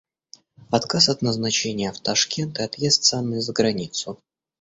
Отказ от назначения в Ташкент и отъезд с Анной за границу.